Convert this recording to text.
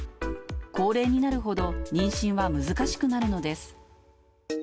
高齢になるほど妊娠は難しくなるのです。